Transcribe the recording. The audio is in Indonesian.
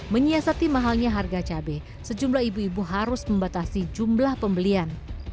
menyiasati mahalnya harga cabai sejumlah ibu ibu harus membatasi jumlah pembelian